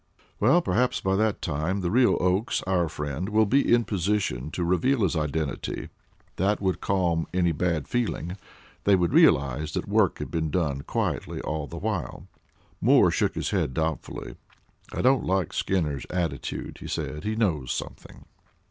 "Well, perhaps by that time the real Oakes, our friend, will be in position to reveal his identity that would calm any bad feeling they would realize that work had been done quietly all the while." Moore shook his head doubtfully. "I don't like Skinner's attitude," he said, "he knows something."